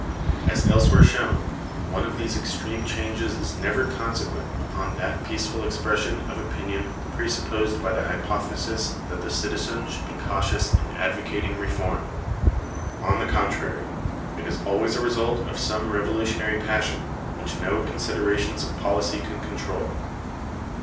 As elsewhere shown ! (p. 482), one of these extreme changes is never consequent upon that peaceful expression of opinion presupposed by the hypothesis that the citizen should be cautious in advocating reform ; on the contrary, it is always a result of some revolu tionary passion which no considerations of policy can control.